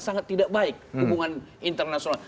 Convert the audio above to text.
sangat tidak baik hubungan internasional